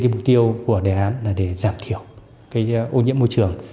mục tiêu của đề án là để giảm thiểu ô nhiễm môi trường